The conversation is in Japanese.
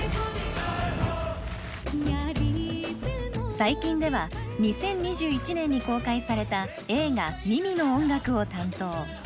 最近では２０２１年に公開された映画「Ｍｉｍｉ」の音楽を担当。